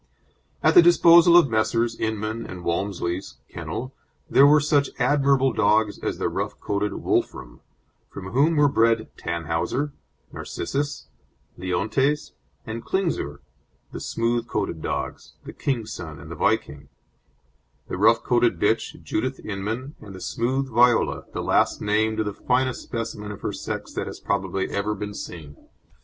At the disposal of Messrs. Inman and Walmsley's kennel, there were such admirable dogs as the rough coated Wolfram from whom were bred Tannhauser, Narcissus, Leontes and Klingsor the smooth coated dogs, the King's Son and The Viking; the rough coated bitch, Judith Inman, and the smooth Viola, the last named the finest specimen of her sex that has probably ever been seen.